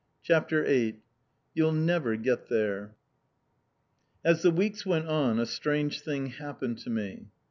CHAPTER VIII "YOU'LL NEVER GET THERE" As the weeks went on a strange thing happened to me.